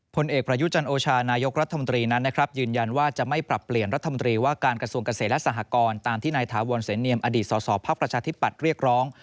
ผลเอกประยุจันโอชานายกรัฐมนตรีนั้นนะครับยืนยันว่าจะไม่ปรับเปลี่ยนรัฐมนตรีว่าการกระทรวงเกษตรและสหกรตามที่นายถาวรเสนเนียมอดีตสอสอภักดิ์ประชาธิปัตย์เรียกร้อง